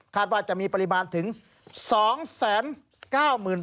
คาดว่าจะมีปริมาณถึง๒๙๐๐๐๐ตัน